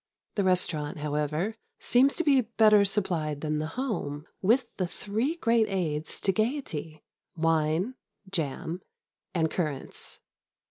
The restaurant, however, seem to be better supplied than the home with the three great aids to gaiety wine, jam and currants.